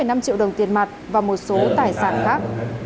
năm triệu đồng tiền mặt và một số tài sản khác